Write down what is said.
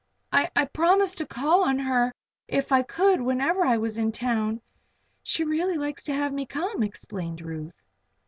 "I I promised to call on her if I could whenever I was in town. She really likes to have me come," explained Ruth.